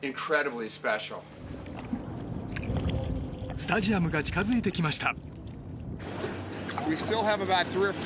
スタジアムが近づいてきました。